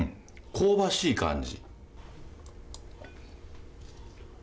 香ばしい感じ。